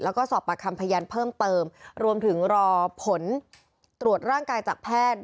แล้วก็สอบปากคำพยานเพิ่มเติมรวมถึงรอผลตรวจร่างกายจากแพทย์